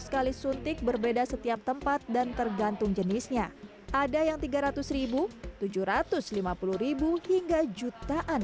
sekali suntik berbeda setiap tempat dan tergantung jenisnya ada yang tiga ratus tujuh ratus lima puluh hingga jutaan